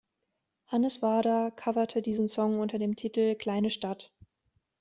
Hannes Wader coverte diesen Song unter dem Titel "Kleine Stadt".